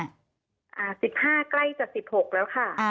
๑๕ใกล้จะ๑๖แล้วค่ะ